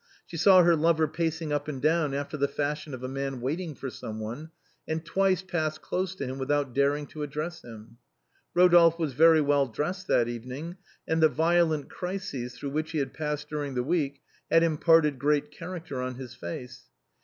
She saw her lover pacing up and down after the fashion of a man waiting for some one, and twice passed close to him without daring to address him. MADEMOISELLE MIMI. 181 Rodolphe was very well dressed that evening, and "the violent crises through which he had passed during the week had imparted great character to his face.